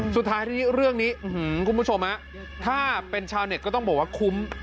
สุดท้ายทีนี้เรื่องนี้คุณผู้ชมถ้าเป็นชาวเน็ตก็ต้องบอกว่าคุ้ม